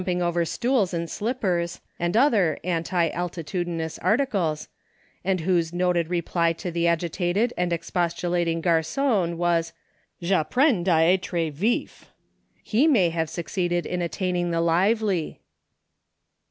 ing over stools and slippers, and other u anti altitudinous" articles, and whose noted reply to the agitated and expostulating gargon, was, JTapprends a etre vxf. He may have sue* eeeded in attaining the lively